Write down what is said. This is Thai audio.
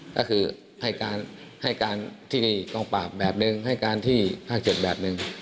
ก็คือให้การที่กองปากแบบนึงให้การที่ภาคเฉียดแบบนึง